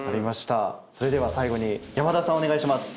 それでは最後に山田さんお願いします。